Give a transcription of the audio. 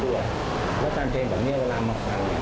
แล้วคันเพลงแบบนี้เวลามาฟังเนี่ย